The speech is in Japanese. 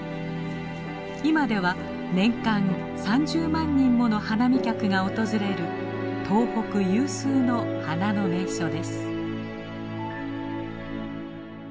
今では年間３０万人もの花見客が訪れる東北有数の花の名所です。